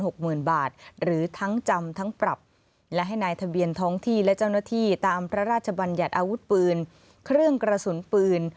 หมื่นบาทหรือทั้งจำทั้งปรับและให้นายทะเบียนท้องที่และเจ้าหน้าที่ตามพระราชบัญญัติอาวุธปืนเครื่องกระสุนปืน